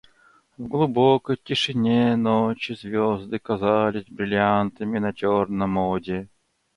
В глубокой тишине ночи звезды казались бриллиантами на черном оде.